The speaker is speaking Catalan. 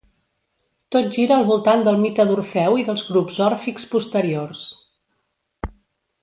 Tot gira al voltant del mite d'Orfeu i dels grups òrfics posteriors.